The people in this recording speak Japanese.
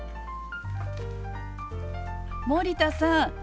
森田さん